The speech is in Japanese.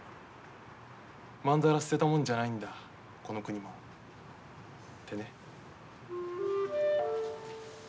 まんざら捨てたもんじゃないんだこの国も」ってね。